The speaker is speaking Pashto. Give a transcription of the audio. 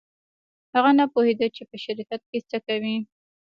هغه نه پوهېده چې په شرکت کې څه کوي.